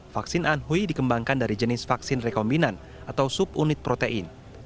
vaksin anhui dikembangkan dari jenis vaksin rekombinan atau subunit protein